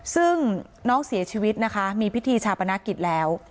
ซึ่งน้องเสียชีวิตนะคะมีพิธีชาปนกิจแล้ว